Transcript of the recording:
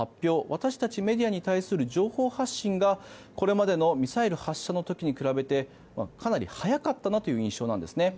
私たちメディアに対する情報発信がこれまでのミサイル発射の時に比べてかなり早かったなという印象なんですね。